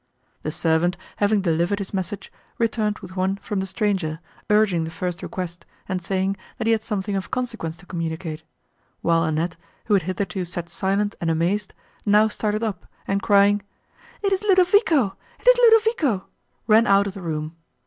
The servant, having delivered his message, returned with one from the stranger, urging the first request, and saying, that he had something of consequence to communicate; while Annette, who had hitherto sat silent and amazed, now started up, and crying, "It is Ludovico!—it is Ludovico!" ran out of the room.